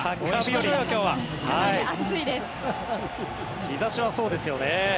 日差しはそうですよね。